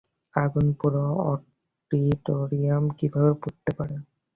আগুনে পুরো অডিটরিয়াম কিভাবে পুড়তে পারে?